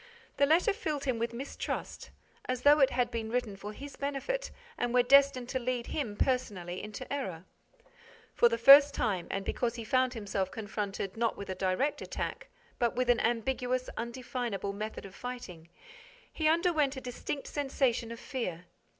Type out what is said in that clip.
The letter filled him with mistrust, as though it had been written for his benefit and were destined to lead him, personally, into error. For the first time and because he found himself confronted not with a direct attack, but with an ambiguous, indefinable method of fighting, he underwent a distinct sensation of fear.